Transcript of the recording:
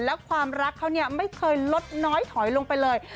แล้วความรักเขาเนี่ยไม่เคยลดน้อยถอยลงไปเลย